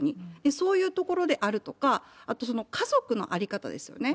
そういうところであるとか、あと家族の在り方ですよね。